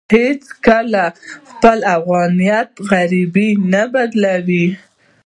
هېڅکله يې خپل افغانيت غريب نه دی بللی.